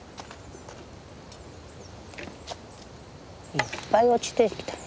いっぱい落ちてきた。